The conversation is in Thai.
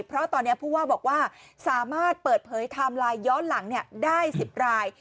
เพราะตอนนี้ผู้ว่าบอกว่าสามารถเปิดเผยไทม์ไลน์ย้อนหลังได้๑๐ราย